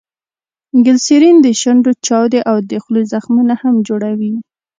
ګلیسرین دشونډو چاودي او دخولې زخمونه هم جوړوي.